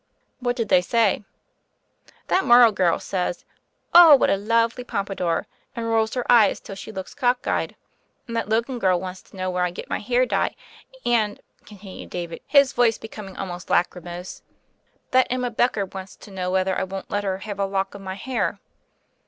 "What did they say?" "That Morrow girl says, *Oh, what a lovely pompadour 1' and rolls her eyes till she looks cock eyed; and that Logan girl wants to know where I get my hair dye; and," continued David, his voice becoming almost lachrymose, "that Emma Becker wants to know whether I won't let her have a lock of my hair."